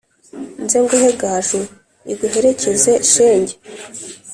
nze nguhe gaju iguherekeze shenge